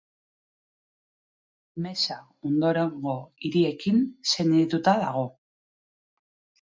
Mesa ondorengo hiriekin senidetuta dago.